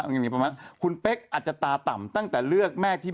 อย่างนี้ประมาณคุณเป๊กอาจจะตาต่ำตั้งแต่เลือกแม่ที่